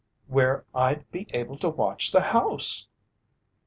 "Where I'd be able to watch the house!"